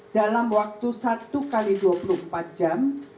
dalam waktu satu x dua puluh empat jam